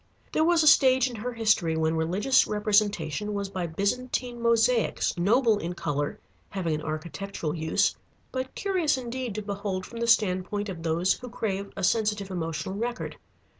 There was a stage in her history when religious representation was by Byzantine mosaics, noble in color, having an architectural use, but curious indeed to behold from the standpoint of those who crave a sensitive emotional record.